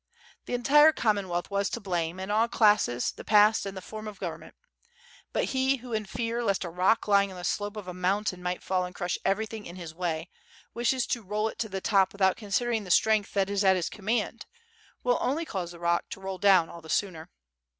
The entire Commonwealth was to blame, and all classeti, the past, and the form of government. But he, who in fear lest a rock lying on the slope of a mountain might fall and crush everything in his way, wishes to roll it to the top with out considering the strength that is at his command, will only cause the rock to roll down all the sooner.